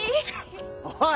おい！